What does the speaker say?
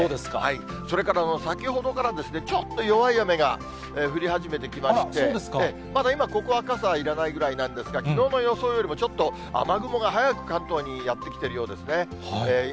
それから先ほどから、ちょっと弱い雨が降り始めてきまして、まだ今、ここは傘はいらないぐらいなんですが、きのうの予想よりもちょっと雨雲が早く関東にやって来ているようですね。